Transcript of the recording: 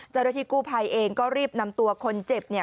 จรฐิกูภัยเองก็รีบนำตัวคนเจ็บเนี่ย